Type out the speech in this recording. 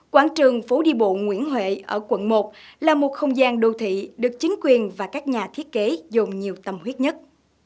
quảng trường phố đi bộ nguyễn huệ ở quận một là một không gian đô thị được chính quyền và các nhà thiết kế dồn nhiều tâm huyết nhất